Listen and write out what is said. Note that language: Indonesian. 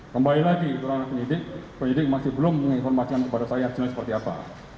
kembali lagi penyidik masih belum menginformasikan kepada saya hasilnya seperti apa